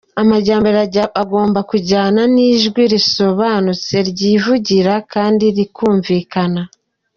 Amajyambere agomba kujyana n’ijwi risobanutse ryivugira kandi rikumvikana.